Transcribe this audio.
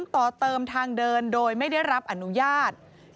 ต่อเติมทางเดินโดยไม่ได้รับอนุญาต